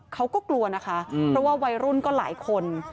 เขาก็กลัวนะคะเพราะว่าวัยรุ่นก็หลายคน